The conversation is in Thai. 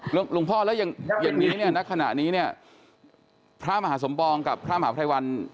หลวงพ่อแล้วอย่างนี้เนี่ยณขณะนี้เนี่ยพระมหาสมปองกับพระมหาภัยวัน